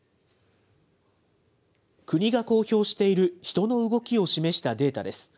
国が公表している人の動きを示したデータです。